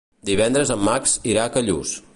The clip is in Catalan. Divendres en Max irà a Callús.